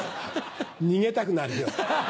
逃げたくなるよ。ハハハ。